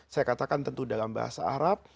saya katakan tentu dalam bahasa arab